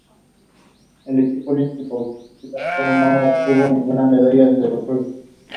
El equipo olímpico austríaco no obtuvo ninguna medalla en estos Juegos.